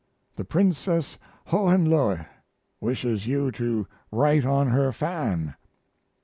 "The Princess Hohenlohe wishes you to write on her fan."